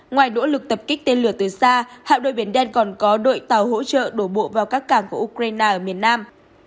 ngoài nỗ lực tập kích tên lửa từ xa hạ đội biển đen còn có đội tàu hỗ trợ đổ bộ vào các cảng của ukraine ở miền nam